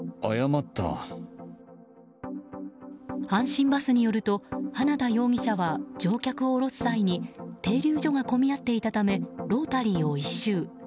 阪神バスによると花田容疑者は乗客を降ろす際に停留所が混み合っていたためロータリーを１周。